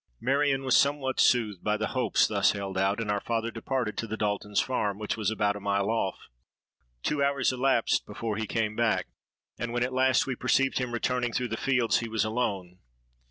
'—Marion was somewhat soothed by the hopes thus held out; and our father departed to the Daltons' farm, which was about a mile off. Two hours elapsed before he came back; and when at last we perceived him returning through the fields, he was alone.